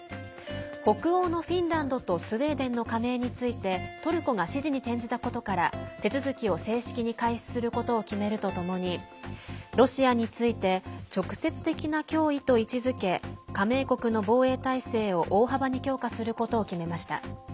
北欧のフィンランドとスウェーデンの加盟についてトルコが支持に転じたことから手続きを正式に開始することを決めるとともにロシアについて直接的な脅威と位置づけ加盟国の防衛態勢を大幅に強化することを決めました。